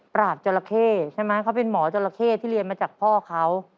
จราเข้ใช่ไหมเขาเป็นหมอจราเข้ที่เรียนมาจากพ่อเขา